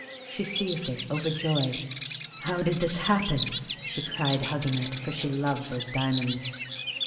She seized it, overjoyed. *' How did this happen ?" she cried, hugging it, for she loved those diamonds.